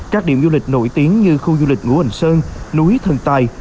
các điểm du lịch nổi tiếng như khu du lịch ngũ ẩn sơn lúi thần tài